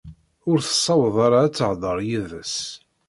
Ur tessaweḍ ara ad tehder yid-s.